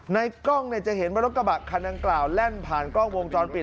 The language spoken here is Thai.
ในกล้องจะเห็นว่ารถกระบะคันดังกล่าวแล่นผ่านกล้องวงจรปิด